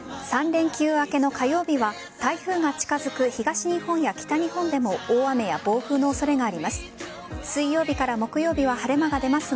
３連休明けの火曜日は台風が近づく東日本や北日本でも大雨や暴風の恐れがあります。